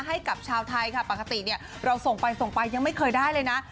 ให้กับชาวไทยค่ะปกติเนี่ยเราส่งไปส่งไปยังไม่เคยได้เลยนะ